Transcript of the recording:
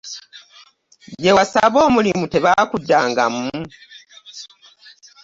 Gye wasaba omulimu tebakuddangamu?